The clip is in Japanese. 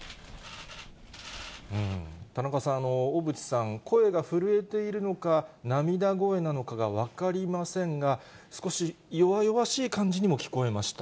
田中さん、小渕さん、声が震えているのか、涙声なのかが分かりませんが、少し弱々しい感じにも聞こえました。